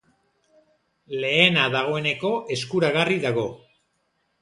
Lehena dagoeneko eskuragarri dago.